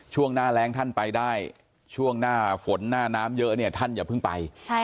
ช่วงหน้าแรงท่านไปได้ช่วงหน้าฝนหน้าน้ำเยอะเนี่ยท่านอย่าเพิ่งไป